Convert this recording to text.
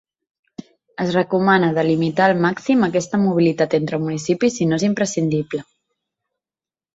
Es recomana de limitar al màxim aquesta mobilitat entre municipis si no és imprescindible.